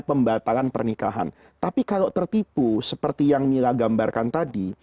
pembatalan pernikahan tapi kalau tertipu seperti yang mila gambarkan tadi